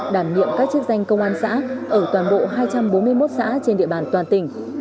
đảm nhiệm các chức danh công an xã ở toàn bộ hai trăm bốn mươi một xã trên địa bàn toàn tỉnh